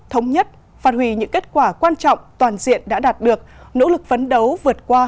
thống nhất phát hủy những kết quả quan trọng toàn diện đã đạt được nỗ lực phấn đấu vượt qua